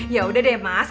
ya udah deh mas